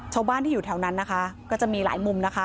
ชาวบ้านที่อยู่แถวนั้นก็จะมีหลายมุม